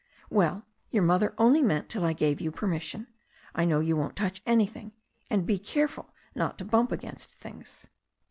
Well, your mother only meant till I gave you permission. I know you won't touch anjrthing. And be careful not to bump against things."